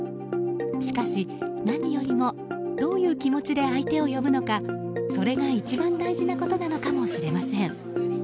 しかし、何よりもどういう気持ちで相手を呼ぶのかそれが一番大事なことなのかもしれません。